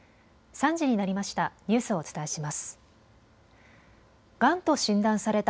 ３時になりました。